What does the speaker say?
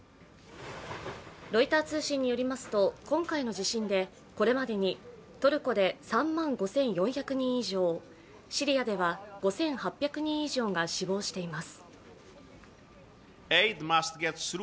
ロイター通信によりますと今回の地震でこれまでにトルコで３万５４００人以上、シリアでは５８００人以上が死亡しています。